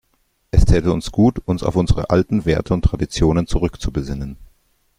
Es täte uns gut, uns auf unsere alten Werte und Traditionen zurückzubesinnen.